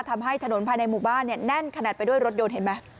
ทำให้ถนนภายในหมู่บ้านแน่นขนาดไปด้วยรถยนต์เห็นไหม